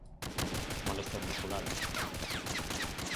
Molestias musculares.